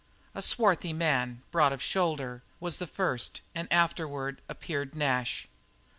A swarthy man, broad of shoulder, was the first, and afterward appeared Nash.